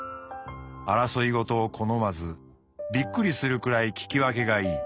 争い事を好まずびっくりするくらい聞き分けがいい。